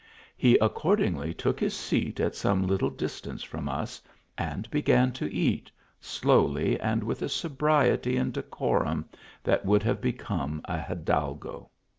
He accord ingly took his seat at some little distance from us, and began to eat, slowly, and with a sobriety and decorum that would have become a hidalgo.